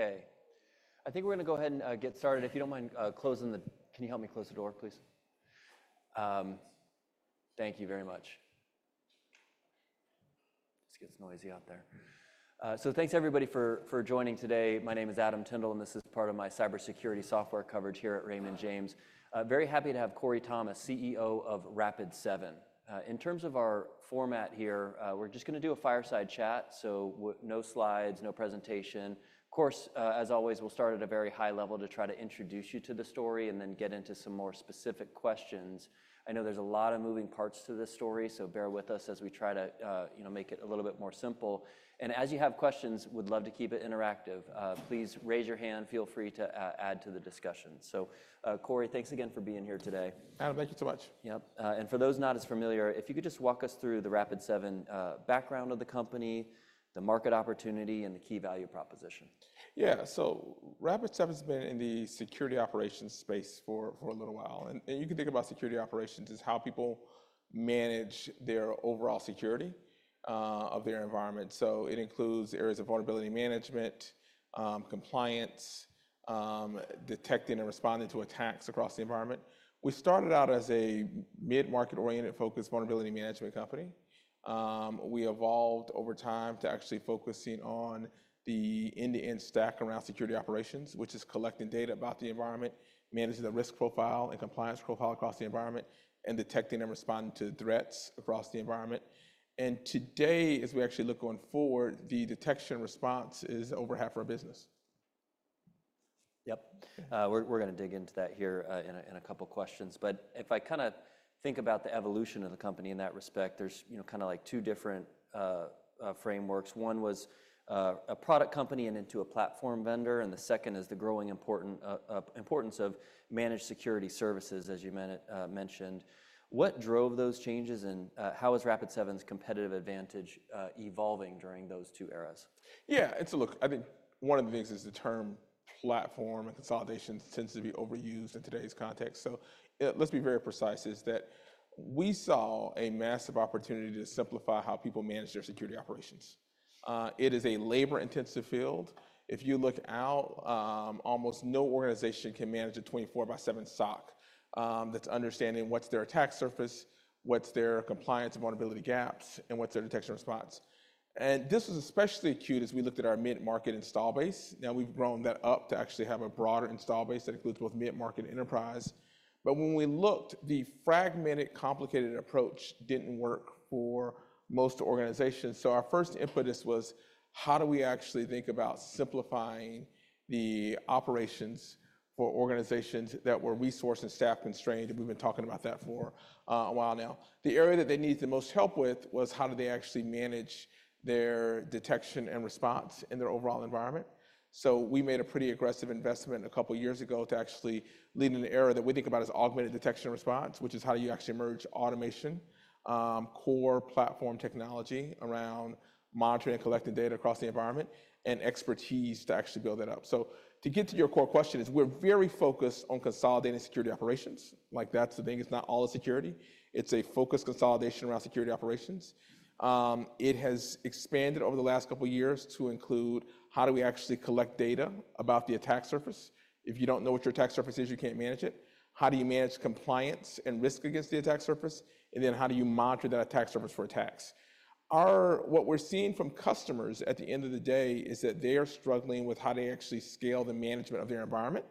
Okay. I think we're going to go ahead and get started. If you don't mind closing the—can you help me close the door, please? Thank you very much. It's getting noisy out there. Thanks, everybody, for joining today. My name is Adam Tindle, and this is part of my cybersecurity software coverage here at Raymond James. Very happy to have Corey Thomas, CEO of Rapid7. In terms of our format here, we're just going to do a fireside chat, no slides, no presentation. Of course, as always, we'll start at a very high level to try to introduce you to the story and then get into some more specific questions. I know there's a lot of moving parts to this story, so bear with us as we try to make it a little bit more simple. As you have questions, we'd love to keep it interactive. Please raise your hand. Feel free to add to the discussion. Corey, thanks again for being here today. Adam, thank you so much. Yep. And for those not as familiar, if you could just walk us through the Rapid7 background of the company, the market opportunity, and the key value proposition. Yeah. Rapid7 has been in the security operations space for a little while. You can think about security operations as how people manage their overall security of their environment. It includes areas of vulnerability management, compliance, detecting and responding to attacks across the environment. We started out as a mid-market-oriented focus vulnerability management company. We evolved over time to actually focusing on the end-to-end stack around security operations, which is collecting data about the environment, managing the risk profile and compliance profile across the environment, and detecting and responding to threats across the environment. Today, as we actually look going forward, the detection response is over half our business. Yep. We're going to dig into that here in a couple of questions. If I kind of think about the evolution of the company in that respect, there's kind of like two different frameworks. One was a product company and into a platform vendor, and the second is the growing importance of managed security services, as you mentioned. What drove those changes, and how is Rapid7's competitive advantage evolving during those two eras? Yeah. Look, I think one of the things is the term platform and consolidation tends to be overused in today's context. Let's be very precise, is that we saw a massive opportunity to simplify how people manage their security operations. It is a labor-intensive field. If you look out, almost no organization can manage a 24-by-7 SOC that's understanding what's their attack surface, what's their compliance and vulnerability gaps, and what's their detection response. This was especially acute as we looked at our mid-market install base. Now we've grown that up to actually have a broader install base that includes both mid-market and enterprise. When we looked, the fragmented, complicated approach didn't work for most organizations. Our first impetus was, how do we actually think about simplifying the operations for organizations that were resource and staff constrained? We've been talking about that for a while now. The area that they need the most help with was how do they actually manage their detection and response in their overall environment? We made a pretty aggressive investment a couple of years ago to actually lead an era that we think about as augmented detection and response, which is how do you actually merge automation, core platform technology around monitoring and collecting data across the environment, and expertise to actually build that up. To get to your core question, we're very focused on consolidating security operations. Like that's the thing. It's not all the security. It's a focused consolidation around security operations. It has expanded over the last couple of years to include how do we actually collect data about the attack surface. If you don't know what your attack surface is, you can't manage it. How do you manage compliance and risk against the attack surface? How do you monitor that attack surface for attacks? What we're seeing from customers at the end of the day is that they are struggling with how they actually scale the management of their environment.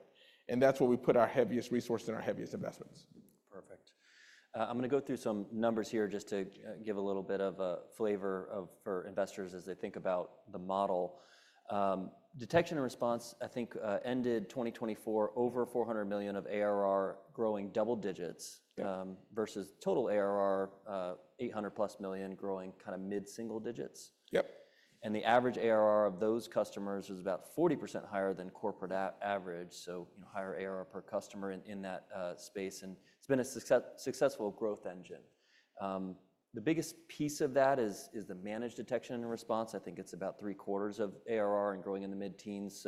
That's where we put our heaviest resource and our heaviest investments. Perfect. I'm going to go through some numbers here just to give a little bit of a flavor for investors as they think about the model. Detection and response, I think, ended 2024 over $400 million of ARR growing double digits versus total ARR $800+ million growing kind of mid-single digits. Yep. The average ARR of those customers was about 40% higher than corporate average. Higher ARR per customer in that space. It has been a successful growth engine. The biggest piece of that is the managed detection and response. I think it is about three quarters of ARR and growing in the mid-teens.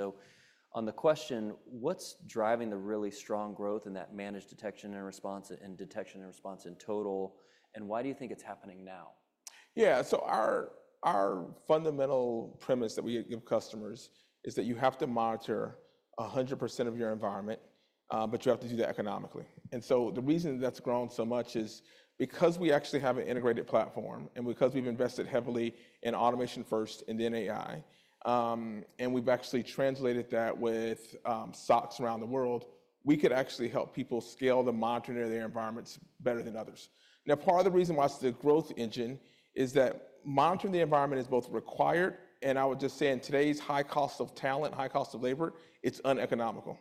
On the question, what is driving the really strong growth in that managed detection and response and detection and response in total? Why do you think it is happening now? Yeah. Our fundamental premise that we give customers is that you have to monitor 100% of your environment, but you have to do that economically. The reason that has grown so much is because we actually have an integrated platform and because we have invested heavily in automation first and then AI, and we have actually translated that with SOCs around the world, we could actually help people scale the monitoring of their environments better than others. Now, part of the reason why it is the growth engine is that monitoring the environment is both required, and I would just say in today's high cost of talent, high cost of labor, it is uneconomical.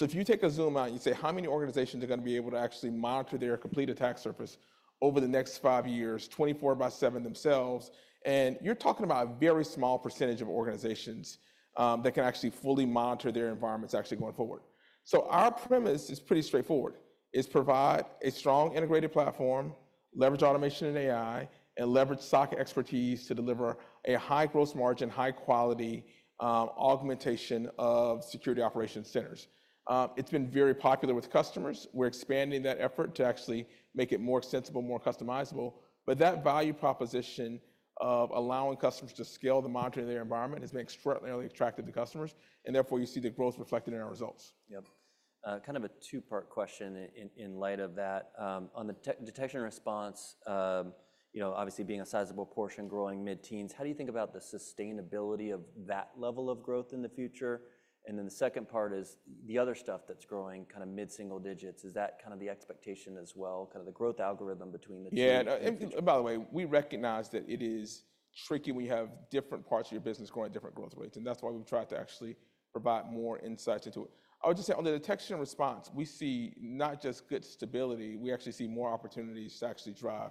If you take a zoom out and you say, how many organizations are going to be able to actually monitor their complete attack surface over the next five years, 24 by 7 themselves? You're talking about a very small percentage of organizations that can actually fully monitor their environments actually going forward. Our premise is pretty straightforward. It's provide a strong integrated platform, leverage automation and AI, and leverage SOC expertise to deliver a high gross margin, high quality augmentation of security operation centers. It's been very popular with customers. We're expanding that effort to actually make it more extensible, more customizable. That value proposition of allowing customers to scale the monitoring of their environment has been extraordinarily attractive to customers. Therefore, you see the growth reflected in our results. Yep. Kind of a two-part question in light of that. On the detection and response, obviously being a sizable portion growing mid-teens, how do you think about the sustainability of that level of growth in the future? The second part is the other stuff that's growing kind of mid-single digits. Is that kind of the expectation as well, kind of the growth algorithm between the two? Yeah. By the way, we recognize that it is tricky when you have different parts of your business growing at different growth rates. That is why we have tried to actually provide more insights into it. I would just say on the detection and response, we see not just good stability, we actually see more opportunities to actually drive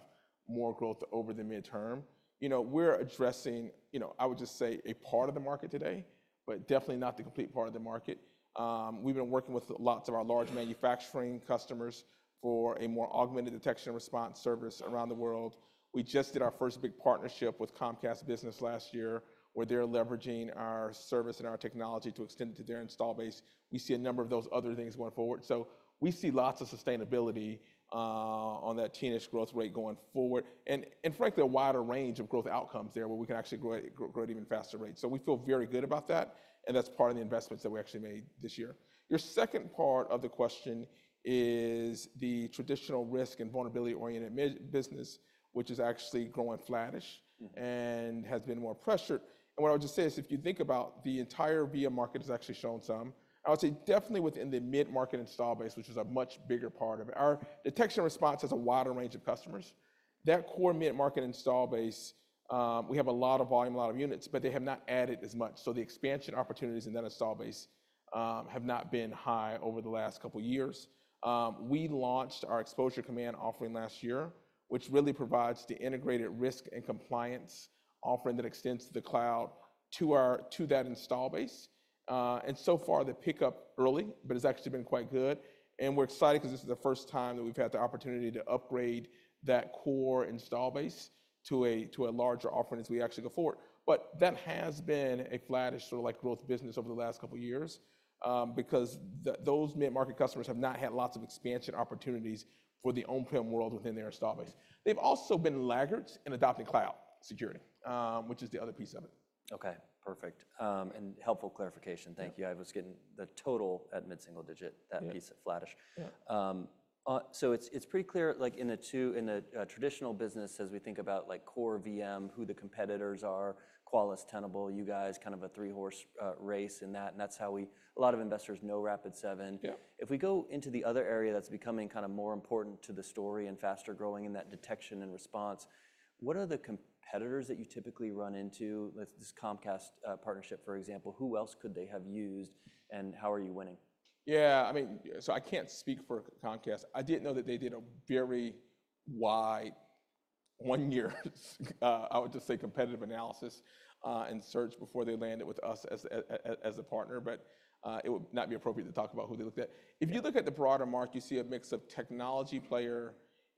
more growth over the midterm. We are addressing, I would just say, a part of the market today, but definitely not the complete part of the market. We have been working with lots of our large manufacturing customers for a more augmented detection and response service around the world. We just did our first big partnership with Comcast Business last year where they are leveraging our service and our technology to extend it to their install base. We see a number of those other things going forward. We see lots of sustainability on that teenage growth rate going forward, and frankly, a wider range of growth outcomes there where we can actually grow at even faster rates. We feel very good about that. That is part of the investments that we actually made this year. Your second part of the question is the traditional risk and vulnerability-oriented business, which is actually growing flattish and has been more pressured. What I would just say is if you think about the entire VM market, it has actually shown some, I would say definitely within the mid-market install base, which is a much bigger part of it. Our detection and response has a wider range of customers. That core mid-market install base, we have a lot of volume, a lot of units, but they have not added as much. The expansion opportunities in that install base have not been high over the last couple of years. We launched our Exposure Command offering last year, which really provides the integrated risk and compliance offering that extends to the cloud to that install base. So far, the pickup is early, but it's actually been quite good. We're excited because this is the first time that we've had the opportunity to upgrade that core install base to a larger offering as we actually go forward. That has been a flattish sort of like growth business over the last couple of years because those mid-market customers have not had lots of expansion opportunities for the on-prem world within their install base. They've also been laggards in adopting cloud security, which is the other piece of it. Okay. Perfect. Helpful clarification. Thank you. I was getting the total at mid-single digit, that piece of flattish. It is pretty clear like in a traditional business, as we think about core VM, who the competitors are, Qualys, Tenable, you guys, kind of a three-horse race in that. That is how a lot of investors know Rapid7. If we go into the other area that is becoming kind of more important to the story and faster growing in that detection and response, what are the competitors that you typically run into? This Comcast partnership, for example, who else could they have used and how are you winning? Yeah. I mean, I can't speak for Comcast. I didn't know that they did a very wide one-year, I would just say, competitive analysis and search before they landed with us as a partner. It would not be appropriate to talk about who they looked at. If you look at the broader market, you see a mix of technology player,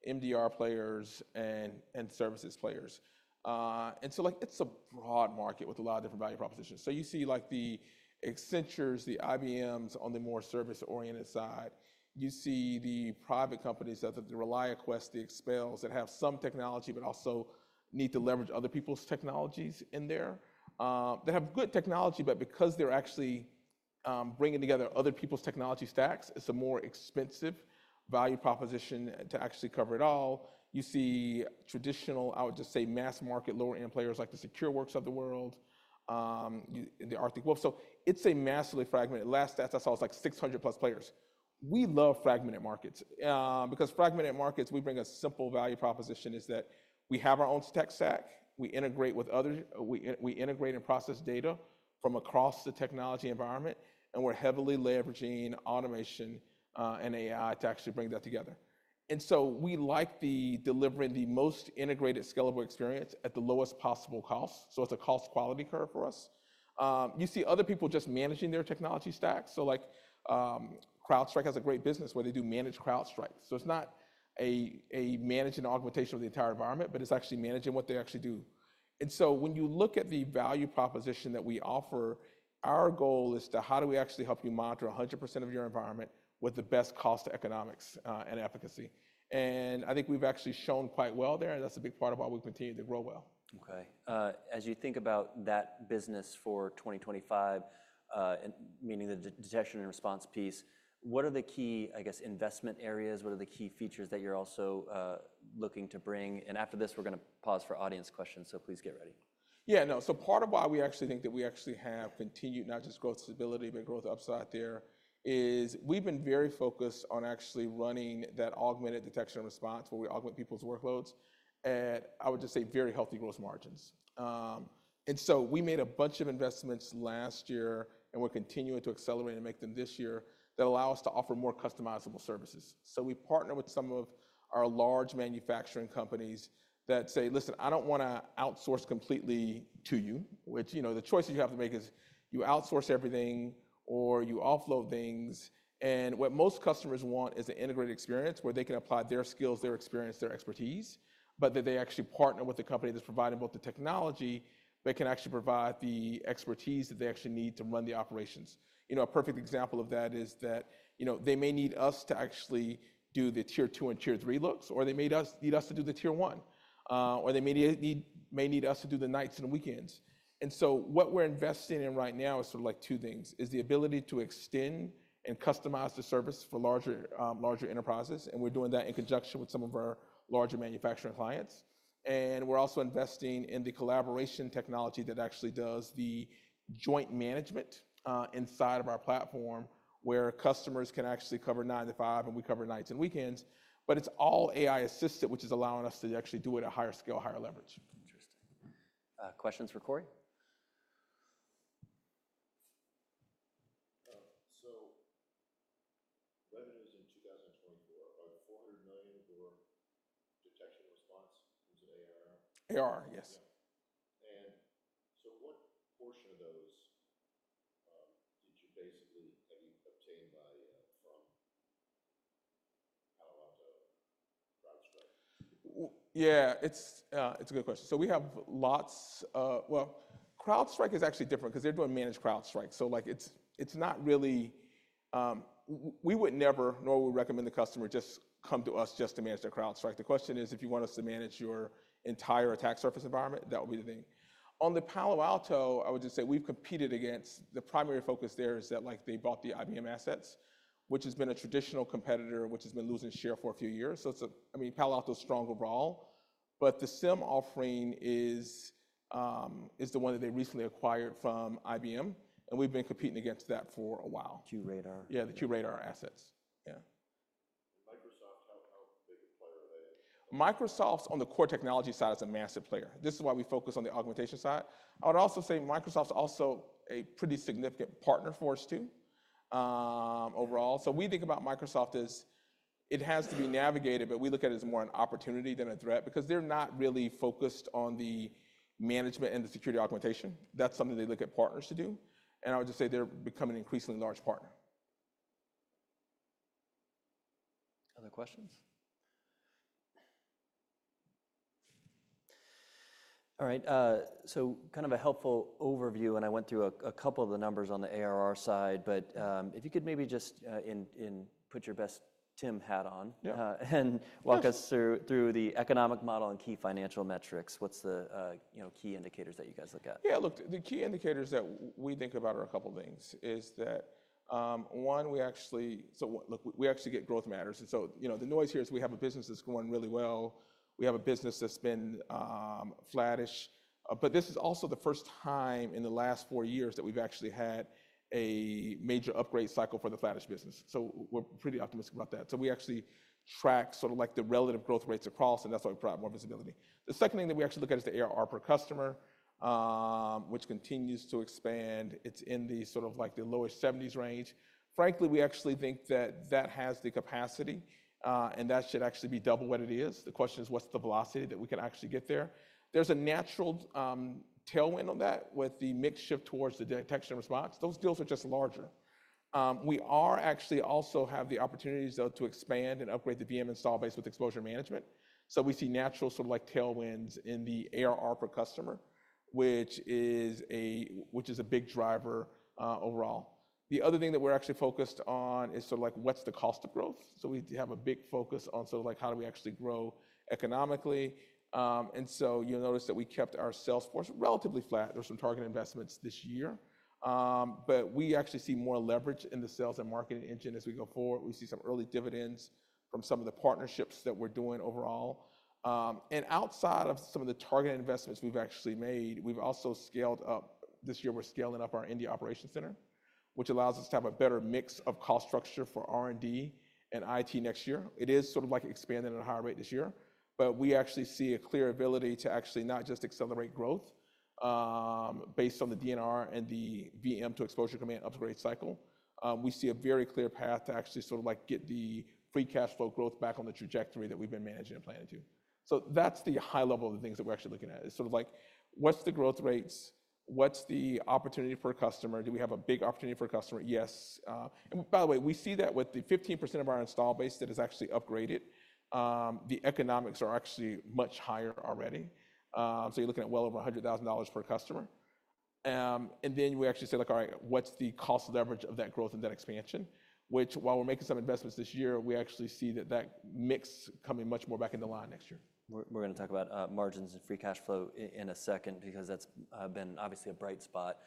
MDR players, and services players. It is a broad market with a lot of different value propositions. You see the Accentures, the IBMs on the more service-oriented side. You see the private companies, the ReliaQuest, the Expels that have some technology, but also need to leverage other people's technologies in there that have good technology. Because they are actually bringing together other people's technology stacks, it is a more expensive value proposition to actually cover it all. You see traditional, I would just say, mass market lower-end players like the Secureworks of the world, the Arctic Wolf. It's a massively fragmented. Last stats, I saw it was like 600+ players. We love fragmented markets because fragmented markets, we bring a simple value proposition is that we have our own tech stack. We integrate with others. We integrate and process data from across the technology environment. We're heavily leveraging automation and AI to actually bring that together. We like delivering the most integrated scalable experience at the lowest possible cost. It's a cost-quality curve for us. You see other people just managing their technology stack. Like CrowdStrike has a great business where they do managed CrowdStrike. It's not a managing augmentation of the entire environment, but it's actually managing what they actually do. When you look at the value proposition that we offer, our goal is to how do we actually help you monitor 100% of your environment with the best cost economics and efficacy. I think we've actually shown quite well there. That's a big part of why we continue to grow well. Okay. As you think about that business for 2025, meaning the detection and response piece, what are the key, I guess, investment areas? What are the key features that you're also looking to bring? After this, we're going to pause for audience questions. Please get ready. Yeah. No. Part of why we actually think that we actually have continued not just growth stability, but growth upside there is we've been very focused on actually running that augmented detection and response where we augment people's workloads. I would just say very healthy gross margins. We made a bunch of investments last year and we're continuing to accelerate and make them this year that allow us to offer more customizable services. We partner with some of our large manufacturing companies that say, listen, I don't want to outsource completely to you, which the choice that you have to make is you outsource everything or you offload things. What most customers want is an integrated experience where they can apply their skills, their experience, their expertise, but that they actually partner with a company that's providing both the technology, but can actually provide the expertise that they actually need to run the operations. A perfect example of that is that they may need us to actually do the tier two and tier three looks, or they may need us to do the tier one, or they may need us to do the nights and the weekends. What we're investing in right now is sort of like two things, is the ability to extend and customize the service for larger enterprises. We're doing that in conjunction with some of our larger manufacturing clients. We are also investing in the collaboration technology that actually does the joint management inside of our platform where customers can actually cover nine to five and we cover nights and weekends. It is all AI assisted, which is allowing us to actually do it at higher scale, higher leverage. Interesting. Questions for Corey? Revenues in 2024, are the $400 million for detection and response into ARR? ARR, yes. What portion of those did you basically have you obtained from how about CrowdStrike? Yeah, it's a good question. We have lots. CrowdStrike is actually different because they're doing managed CrowdStrike. It's not really we would never, nor would we recommend the customer just come to us just to manage their CrowdStrike. The question is if you want us to manage your entire attack surface environment, that would be the thing. On the Palo Alto, I would just say we've competed against the primary focus there is that they bought the IBM assets, which has been a traditional competitor, which has been losing share for a few years. I mean, Palo Alto is strong overall. The SIM offering is the one that they recently acquired from IBM. We've been competing against that for a while. QRadar. Yeah, the QRadar assets. Yeah. Microsoft, how big a player are they? Microsoft on the core technology side is a massive player. This is why we focus on the augmentation side. I would also say Microsoft is also a pretty significant partner for us too overall. We think about Microsoft as it has to be navigated, but we look at it as more an opportunity than a threat because they're not really focused on the management and the security augmentation. That's something they look at partners to do. I would just say they're becoming an increasingly large partner. Other questions? All right. Kind of a helpful overview. I went through a couple of the numbers on the ARR side. If you could maybe just put your best Tim hat on and walk us through the economic model and key financial metrics. What are the key indicators that you guys look at? Yeah. Look, the key indicators that we think about are a couple of things. One, we actually get growth matters. The noise here is we have a business that's going really well. We have a business that's been flattish. This is also the first time in the last four years that we've actually had a major upgrade cycle for the flattish business. We're pretty optimistic about that. We actually track sort of like the relative growth rates across, and that's why we provide more visibility. The second thing that we actually look at is the ARR per customer, which continues to expand. It's in the sort of like the lower 70s range. Frankly, we actually think that that has the capacity, and that should actually be double what it is. The question is what's the velocity that we can actually get there? There's a natural tailwind on that with the mix shift towards the detection and response. Those deals are just larger. We actually also have the opportunities though to expand and upgrade the VM install base with exposure management. We see natural sort of like tailwinds in the ARR per customer, which is a big driver overall. The other thing that we're actually focused on is sort of like what's the cost of growth? We have a big focus on sort of like how do we actually grow economically. You'll notice that we kept our sales force relatively flat. There were some target investments this year. We actually see more leverage in the sales and marketing engine as we go forward. We see some early dividends from some of the partnerships that we're doing overall. Outside of some of the target investments we've actually made, we've also scaled up this year. We're scaling up our India operations center, which allows us to have a better mix of cost structure for R&D and IT next year. It is sort of like expanding at a higher rate this year. We actually see a clear ability to actually not just accelerate growth based on the DNR and the VM to Exposure Command upgrade cycle. We see a very clear path to actually sort of like get the free cash flow growth back on the trajectory that we've been managing and planning to. That's the high level of the things that we're actually looking at. It's sort of like what's the growth rates? What's the opportunity for a customer? Do we have a big opportunity for a customer? Yes. By the way, we see that with the 15% of our install base that is actually upgraded. The economics are actually much higher already. You are looking at well over $100,000 per customer. We actually say like, all right, what is the cost leverage of that growth and that expansion? While we are making some investments this year, we actually see that mix coming much more back into line next year. We're going to talk about margins and free cash flow in a second because that's been obviously a bright spot.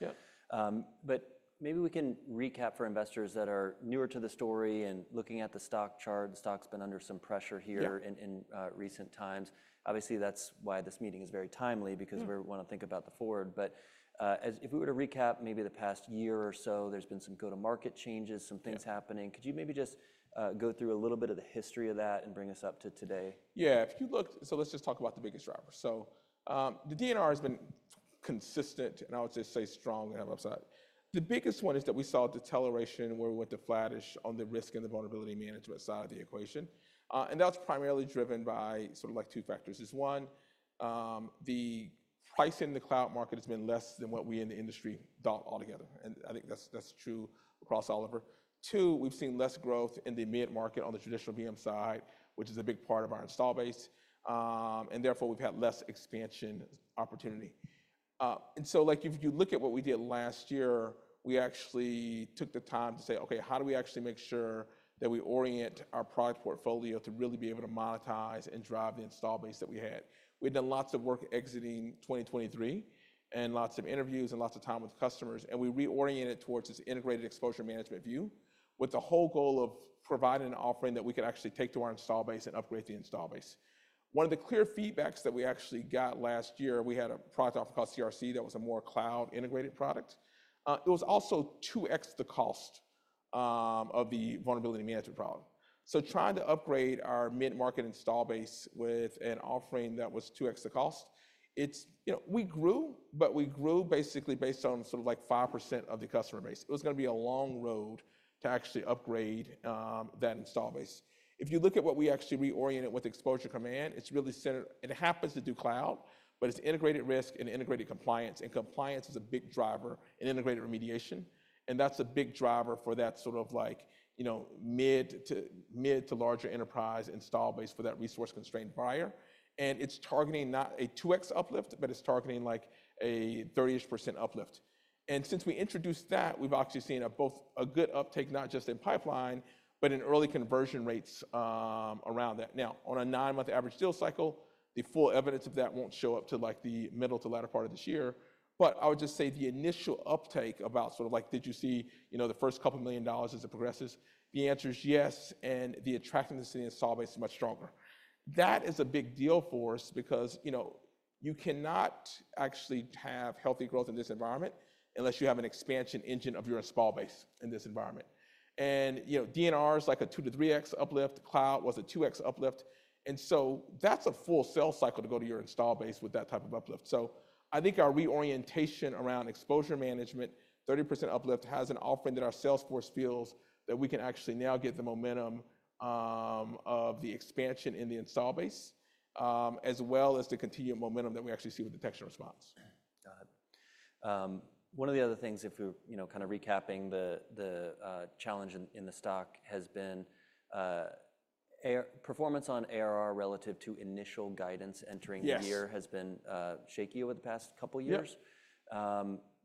Maybe we can recap for investors that are newer to the story and looking at the stock chart. The stock's been under some pressure here in recent times. Obviously, that's why this meeting is very timely because we want to think about the forward. If we were to recap maybe the past year or so, there's been some go-to-market changes, some things happening. Could you maybe just go through a little bit of the history of that and bring us up to today? Yeah. If you look, let's just talk about the biggest driver. The DNR has been consistent and I would just say strong and upside. The biggest one is that we saw a deceleration where we went to flattish on the risk and the vulnerability management side of the equation. That's primarily driven by sort of like two factors. One, the price in the cloud market has been less than what we in the industry thought altogether. I think that's true across all of it. Two, we've seen less growth in the mid-market on the traditional VM side, which is a big part of our install base. Therefore, we've had less expansion opportunity. If you look at what we did last year, we actually took the time to say, okay, how do we actually make sure that we orient our product portfolio to really be able to monetize and drive the install base that we had? We had done lots of work exiting 2023 and lots of interviews and lots of time with customers. We reoriented towards this integrated exposure management view with the whole goal of providing an offering that we could actually take to our install base and upgrade the install base. One of the clear feedbacks that we actually got last year, we had a product offer called CRC that was a more cloud integrated product. It was also 2x the cost of the vulnerability management problem. Trying to upgrade our mid-market install base with an offering that was 2x the cost, we grew, but we grew basically based on sort of like 5% of the customer base. It was going to be a long road to actually upgrade that install base. If you look at what we actually reoriented with Exposure Command, it's really centered. It happens to do cloud, but it's integrated risk and integrated compliance. And compliance is a big driver in integrated remediation. That's a big driver for that sort of like mid to larger enterprise install base for that resource-constrained buyer. It's targeting not a 2x uplift, but it's targeting like a 30% uplift. Since we introduced that, we've actually seen both a good uptake, not just in pipeline, but in early conversion rates around that. Now, on a nine-month average deal cycle, the full evidence of that will not show up until like the middle to latter part of this year. I would just say the initial uptake about sort of like, did you see the first couple of million dollars as it progresses? The answer is yes. The attractiveness of the install base is much stronger. That is a big deal for us because you cannot actually have healthy growth in this environment unless you have an expansion engine of your install base in this environment. DNR is like a 2x to 3x uplift. Cloud was a 2x uplift. That is a full sales cycle to go to your install base with that type of uplift. I think our reorientation around exposure management, 30% uplift, has an offering that our sales force feels that we can actually now get the momentum of the expansion in the install base, as well as the continued momentum that we actually see with detection and response. Got it. One of the other things, if we're kind of recapping the challenge in the stock, has been performance on ARR relative to initial guidance entering the year has been shaky over the past couple of years.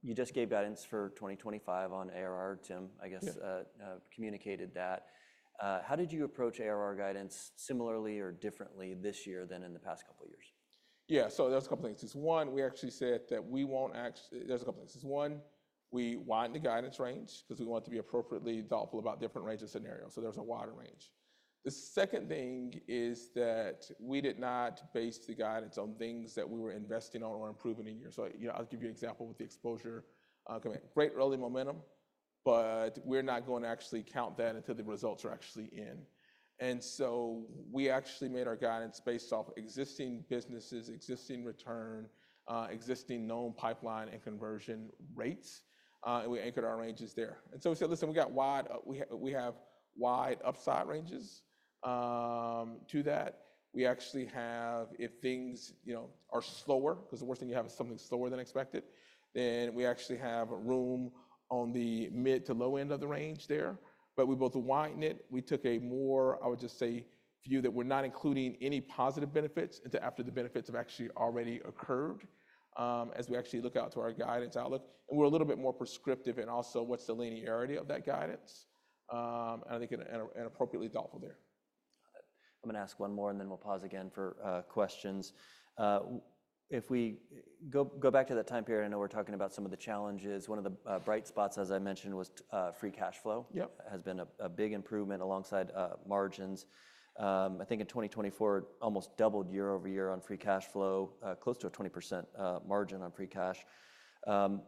You just gave guidance for 2025 on ARR, Tim, I guess communicated that. How did you approach ARR guidance similarly or differently this year than in the past couple of years? Yeah. There's a couple of things. There's one, we actually said that we won't actually, there's a couple of things. There's one, we widen the guidance range because we want to be appropriately thoughtful about different range of scenarios. There's a wider range. The second thing is that we did not base the guidance on things that we were investing on or improving in years. I'll give you an example with the Exposure Command. Great early momentum, but we're not going to actually count that until the results are actually in. We actually made our guidance based off existing businesses, existing return, existing known pipeline and conversion rates. We anchored our ranges there. We said, listen, we have wide upside ranges to that. We actually have, if things are slower, because the worst thing you have is something slower than expected, then we actually have room on the mid to low end of the range there. We both widened it. We took a more, I would just say, view that we're not including any positive benefits until after the benefits have actually already occurred as we actually look out to our guidance outlook. We're a little bit more prescriptive in also what's the linearity of that guidance. I think in an appropriately thoughtful there. I'm going to ask one more and then we'll pause again for questions. If we go back to that time period, I know we're talking about some of the challenges. One of the bright spots, as I mentioned, was free cash flow. Has been a big improvement alongside margins. I think in 2024, almost doubled year-over-year on free cash flow, close to a 20% margin on free cash. I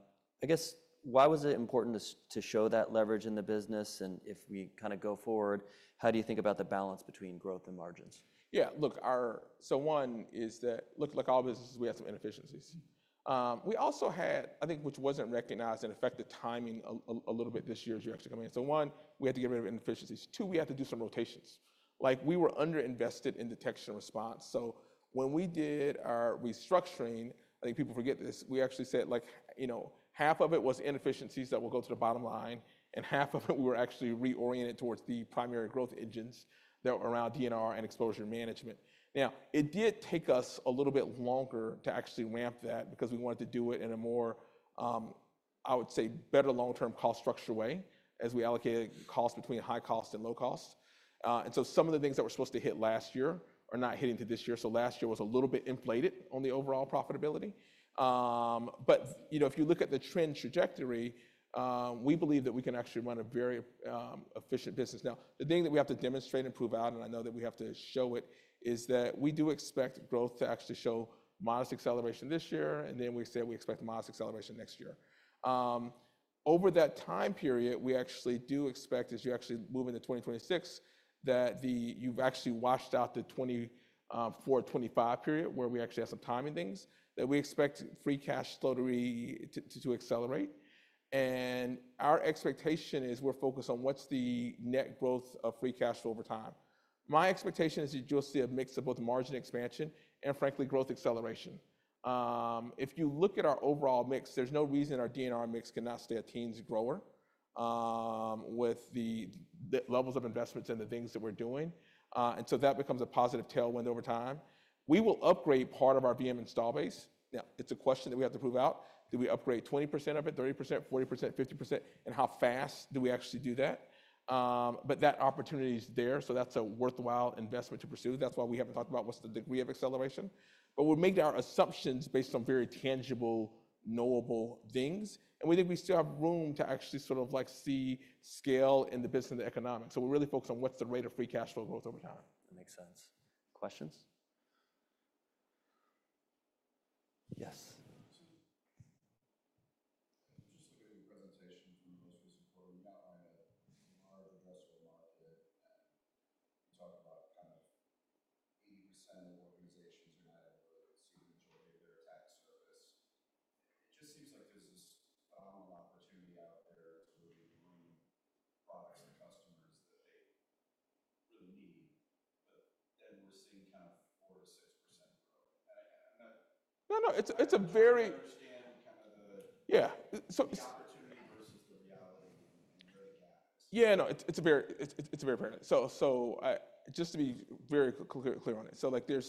guess, why was it important to show that leverage in the business? If we kind of go forward, how do you think about the balance between growth and margins? Yeah. Look, so one is that, look, like all businesses, we have some inefficiencies. We also had, I think, which was not recognized and affected timing a little bit this year as you actually come in. So one, we had to get rid of inefficiencies. Two, we had to do some rotations. Like we were underinvested in detection and response. When we did our restructuring, I think people forget this, we actually said like half of it was inefficiencies that will go to the bottom line. Half of it, we were actually reoriented towards the primary growth engines that were around DNR and exposure management. It did take us a little bit longer to actually ramp that because we wanted to do it in a more, I would say, better long-term cost structure way as we allocated cost between high cost and low cost. Some of the things that were supposed to hit last year are not hitting this year. Last year was a little bit inflated on the overall profitability. If you look at the trend trajectory, we believe that we can actually run a very efficient business. The thing that we have to demonstrate and prove out, and I know that we have to show it, is that we do expect growth to actually show modest acceleration this year. We expect modest acceleration next year. Over that time period, we actually do expect, as you actually move into 2026, that you've actually washed out the 2024, 2025 period where we actually have some timing things that we expect free cash slowly to accelerate. Our expectation is we're focused on what's the net growth of free cash over time. My expectation is you'll see a mix of both margin expansion and, frankly, growth acceleration. If you look at our overall mix, there's no reason our DNR mix cannot stay at teens grower with the levels of investments and the things that we're doing. That becomes a positive tailwind over time. We will upgrade part of our VM install base. Now, it's a question that we have to prove out. Do we upgrade 20% of it, 30%, 40%, 50%? How fast do we actually do that? That opportunity is there. That's a worthwhile investment to pursue. That's why we haven't talked about what's the degree of acceleration. We've made our assumptions based on very tangible, knowable things. We think we still have room to actually sort of like see scale in the business and the economics. We're really focused on what's the rate of free cash flow growth over time. That makes sense. Questions? Yes, just looking at your presentation from the most recent quarter, you got a large addressable market. You talked about kind of 80% of organizations are not able to receive the majority of their attack surface. It just seems like there's this phenomenal opportunity out there to really bring products to customers that they really need. Then we're seeing kind of 4%-6% growth. No, no. It's a very. I understand kind of the. Yeah. So. The opportunity versus the reality and where the gap is. Yeah, no. It is very apparent. Just to be very clear on it, there are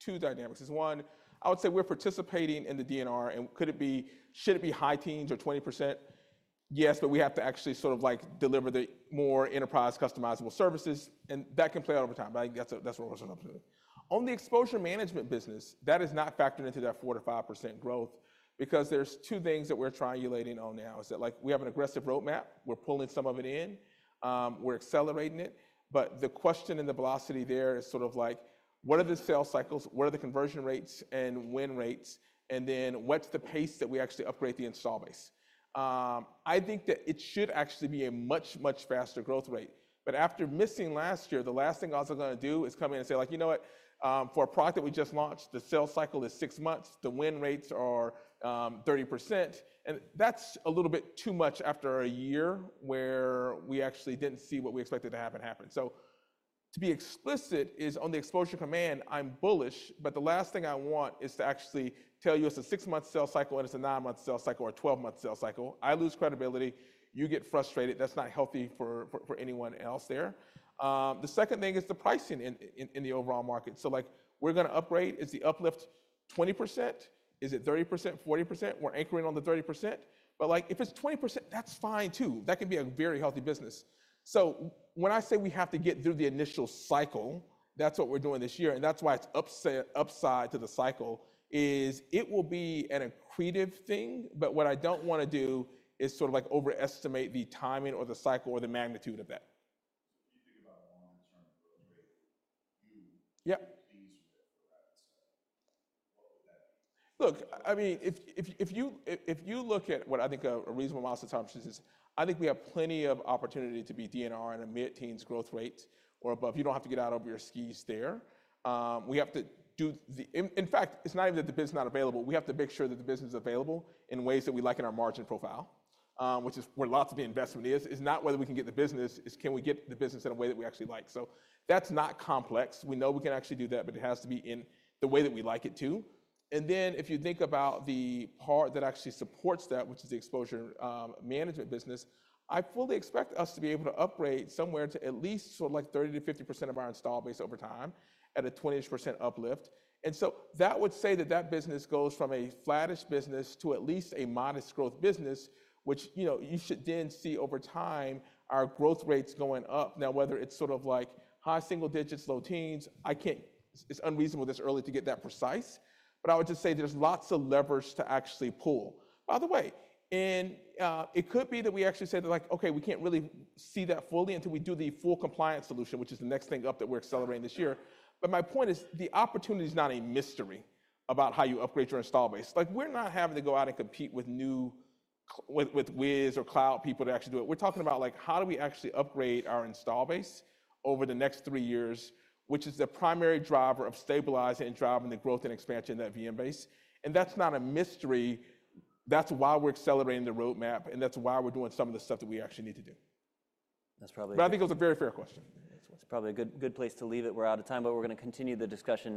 two dynamics. One, I would say we are participating in the DNR and could it be, should it be high teens or 20%? Yes, but we have to actually sort of deliver the more enterprise customizable services, and that can play out over time. I think that is where we are showing up today. On the exposure management business, that is not factored into that 4%-5% growth because there are two things that we are triangulating on now. It is that we have an aggressive roadmap, we are pulling some of it in, we are accelerating it, but the question and the velocity there is sort of like, what are the sales cycles, what are the conversion rates and win rates, and then what is the pace that we actually upgrade the install base? I think that it should actually be a much, much faster growth rate. After missing last year, the last thing I was going to do is come in and say like, you know what, for a product that we just launched, the sales cycle is six months. The win rates are 30%. That's a little bit too much after a year where we actually didn't see what we expected to happen. To be explicit, on the Exposure Command, I'm bullish, but the last thing I want is to actually tell you it's a six-month sales cycle and it's a nine-month sales cycle or a 12-month sales cycle. I lose credibility. You get frustrated. That's not healthy for anyone else there. The second thing is the pricing in the overall market. Like we're going to upgrade. Is the uplift 20%? Is it 30%, 40%? We're anchoring on the 30%. Like if it's 20%, that's fine too. That can be a very healthy business. When I say we have to get through the initial cycle, that's what we're doing this year. That's why it's upside to the cycle is it will be an accretive thing. What I don't want to do is sort of like overestimate the timing or the cycle or the magnitude of that. If you think about a longer-term growth rate, you make deals with it for that. What would that be? Look, I mean, if you look at what I think a reasonable amount of time, I think we have plenty of opportunity to be DNR in a mid-teens growth rate or above. You do not have to get out of your skis there. We have to do the, in fact, it is not even that the business is not available. We have to make sure that the business is available in ways that we like in our margin profile, which is where lots of the investment is. It is not whether we can get the business. It is can we get the business in a way that we actually like. That is not complex. We know we can actually do that, but it has to be in the way that we like it too. If you think about the part that actually supports that, which is the exposure management business, I fully expect us to be able to upgrade somewhere to at least sort of like 30%-50% of our install base over time at a 20%-ish uplift. That would say that that business goes from a flattish business to at least a modest growth business, which you should then see over time our growth rates going up. Now, whether it's sort of like high single digits, low teens, I can't, it's unreasonable this early to get that precise. I would just say there's lots of levers to actually pull. By the way, and it could be that we actually say that like, okay, we can't really see that fully until we do the full compliance solution, which is the next thing up that we're accelerating this year. My point is the opportunity is not a mystery about how you upgrade your install base. Like we're not having to go out and compete with Wiz or Cloud people to actually do it. We're talking about like how do we actually upgrade our install base over the next three years, which is the primary driver of stabilizing and driving the growth and expansion of that VM base. That's not a mystery. That's why we're accelerating the roadmap. That's why we're doing some of the stuff that we actually need to do. That's probably. I think it was a very fair question. It's probably a good place to leave it. We're out of time, but we're going to continue the discussion.